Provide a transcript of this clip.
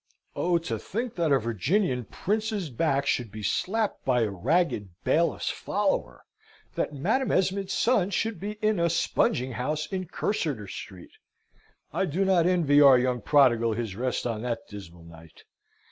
Oh, to think that a Virginian prince's back should be slapped by a ragged bailiffs follower! that Madam Esmond's son should be in a spunging house in Cursitor Street! I do not envy our young prodigal his rest on that dismal night.